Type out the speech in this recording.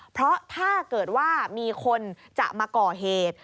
เพราะถ้าเกิดว่ามีคนจะมาก่อเหตุ